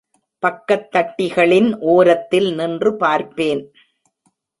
பக்கத் தட்டிகளின் ஒரத்தில் நின்று பார்ப்பேன்.